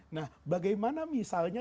nah bagaimana misalnya